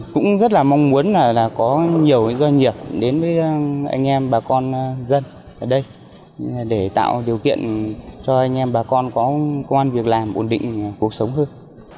cũng rất là mong muốn là có nhiều doanh nghiệp đến với anh em bà con dân ở đây để tạo điều kiện cho anh em bà con có công an việc làm ổn định cuộc sống hơn